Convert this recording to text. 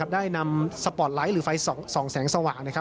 ได้นำสปอร์ตไลท์หรือไฟส่องแสงสว่าง